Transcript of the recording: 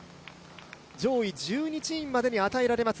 上位１２チームまでに与えられます